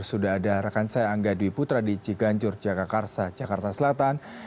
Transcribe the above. sudah ada rekan saya angga dwi putra di ciganjur jagakarsa jakarta selatan